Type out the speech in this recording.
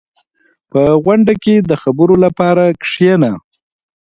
• په غونډه کې د خبرو لپاره کښېنه.